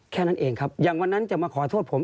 แค่นั้นเองครับอย่างวันนั้นจะมาขอโทษผม